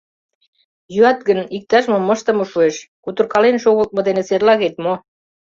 Йӱат гын, иктаж-мом ыштыме шуэш, кутыркален шогылтмо дене серлагет мо?